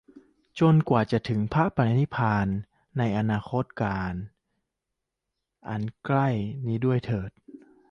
จนกว่าจะถึงพระนิพพาน ในอนาคตกาล อันใกล้นี้ด้วยเทอญ